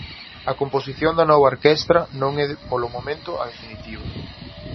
A composición da nova orquestra non é, polo momento, a definitiva.